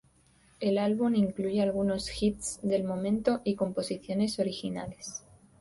El álbum incluye algunos hits del momento y composiciones originales.